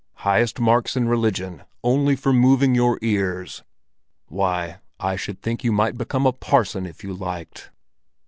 Highest marks in religion only for moving your ears! Why, I should think you might become a parson if you liked!"